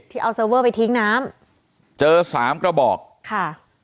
ที่เอาเซลเวอร์ไปทิ้งน้ำเจอ๓ก็บอกค่ะ